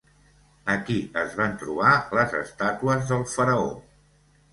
Aquí es van trobar les estàtues del faraó.